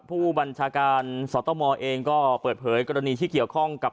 ผู้บัญชาการสตมเองก็เปิดเผยกรณีที่เกี่ยวข้องกับ